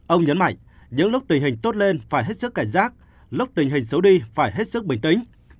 ông nhấn mạnh những lúc tình hình tốt lên phải hết sức cảnh giác lúc tình hình xấu đi phải hết sức bình tĩnh